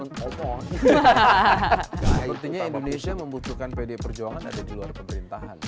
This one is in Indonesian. nah artinya indonesia membutuhkan pd perjuangan ada di luar pemerintahan